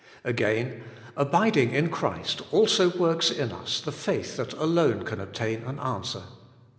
Again: Abiding in Christ also works in us the faith that alone can obtain an answer.